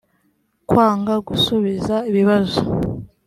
kwanga gusubiza ibibazo